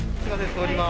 通ります。